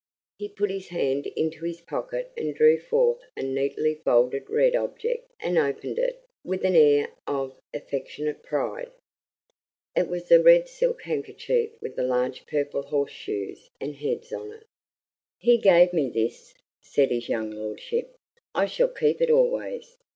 He put his hand into his pocket and drew forth a neatly folded red object and opened it with an air of affectionate pride. It was the red silk handkerchief with the large purple horse shoes and heads on it. "He gave me this," said his young lordship. "I shall keep it always.